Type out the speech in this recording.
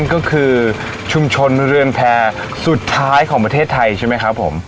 ก็คือชุมชนเรือนแพร่สุดท้ายของประเทศไทยใช่ไหมครับผม